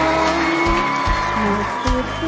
อาทิตย์